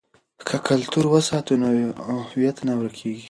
که کلتور وساتو نو هویت نه ورکيږي.